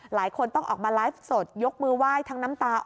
หลายคนต้องออกมาไลฟ์สดยกมือไหว้ทั้งน้ำตา